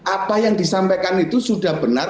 apa yang disampaikan itu sudah benar